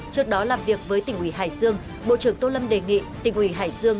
trước đó làm việc với tỉnh ủy hải dương bộ trưởng tô lâm đề nghị tỉnh ủy hải dương